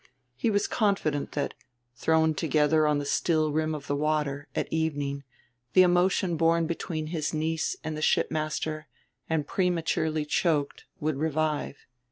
He was confident that, thrown together on the still rim of the water, at evening, the emotion born between his niece and the shipmaster and prematurely choked would revive.